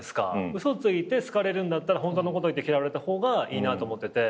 嘘ついて好かれるんだったらホントのこと言って嫌われた方がいいなと思ってて。